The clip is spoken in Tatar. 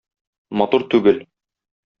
Матур түгел.